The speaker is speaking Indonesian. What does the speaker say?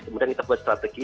kemudian kita buat strategi